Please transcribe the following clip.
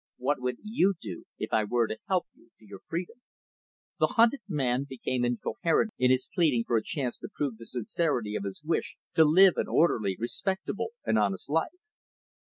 What would you do if I were to help you to your freedom?" The hunted man became incoherent in his pleading for a chance to prove the sincerity of his wish to live an orderly, respectable, and honest life.